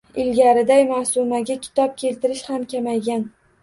Ilgarigiday Maʼsumaga kitob keltirish ham kamaygan.